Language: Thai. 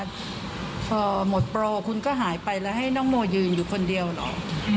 พอหมดโปรคุณก็หายไปแล้วให้น้องโมยืนอยู่คนเดียวเหรอ